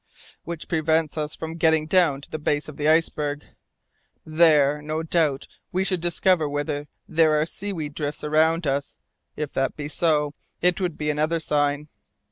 "Which prevents us from even getting down to the base of the iceberg! There, no doubt, we should discover whether there are seaweed drifts around us; if that be so, it would be another sign."